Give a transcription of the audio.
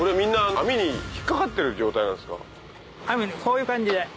網にこういう感じで。